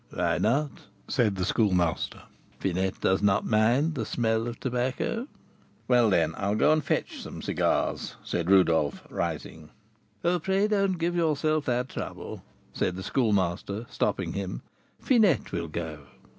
"Why not?" said the Schoolmaster. "Finette does not mind the smell of tobacco." "Well, then, I'll go and fetch some cigars," said Rodolph, rising. "Pray don't give yourself that trouble," said the Schoolmaster, stopping him; "Finette will go."